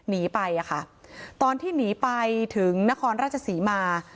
หนีไปอ่ะค่ะตอนที่หนีไปถึงนครราชศรีมา